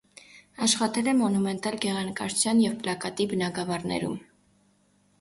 Աշխատել է մոնումենտալ գեղանկարչության և պլակատի բնագավառներում։